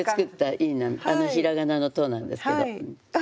ひらがなの「と」なんですけど。